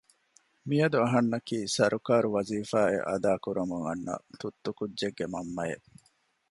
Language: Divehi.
މިއަދު އަހަންނަކީ ސަރުކާރު ވަޒިފާ އެއް އަދާ ކުރަމުން އަންނަ ތުއްތު ކުއްޖެއްގެ މަންމައެއް